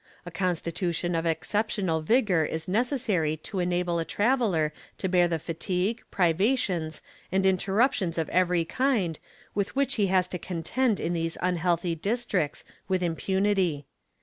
A constitution of exceptional vigour is necessary to enable a traveller to bear the fatigue, privations, and interruptions of every kind with which he has to contend in these unhealthy districts, with impunity.